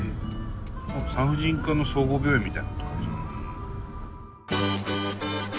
産婦人科の総合病院みたいなことか。